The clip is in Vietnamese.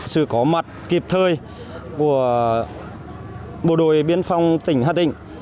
sự có mặt kịp thời của bộ đội biên phòng tỉnh hà tĩnh